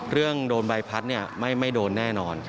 เรื่องโดนใบพัดไม่โดนแน่นอน